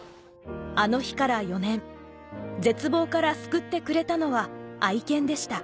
あの日から４年絶望から救ってくれたのは愛犬でした